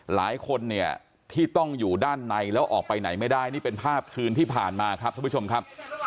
หลายคนเนี่ยที่ต้องอยู่ด้านในแล้วออกไปไหนไม่ได้นี่เป็นภาพคืนที่ผ่านมาครับท่านผู้ชมครับ